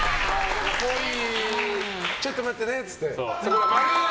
ちょっと待ってねって言って。